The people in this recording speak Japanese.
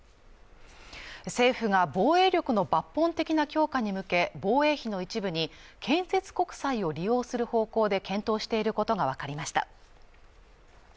政府が防衛力の抜本的な強化に向け防衛費の一部に建設国債を利用する方向で検討していることが分かりました